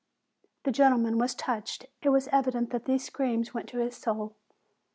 The gentleman was touched : it was evident that these screams went to his soul.